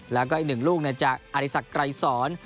แล้วก็อีก๑ลูกเนี่ยจากอริษัทไกรศร